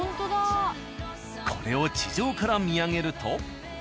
これを地上から見上げると。